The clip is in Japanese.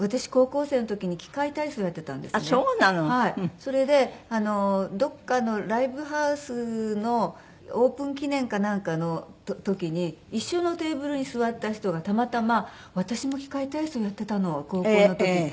それでどこかのライブハウスのオープン記念かなんかの時に一緒のテーブルに座った人がたまたま「私も器械体操やってたの高校の時」って。